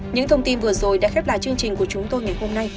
những thông tin vừa rồi đã khép lại chương trình của chúng tôi ngày hôm nay